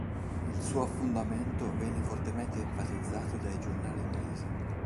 Il suo affondamento venne fortemente enfatizzato dai giornali inglesi.